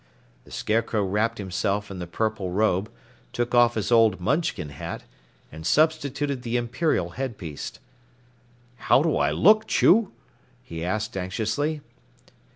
The Scarecrow wrapped himself in the purple robe, took off his old Munchkin hat, and substituted the Imperial headpiece. "How do I look, Chew?" he asked anxiously.